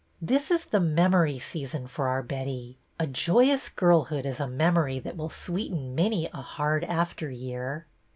This is the memory season for our Betty. A joyous girlhood is a memory that will sweeten many a hard after year."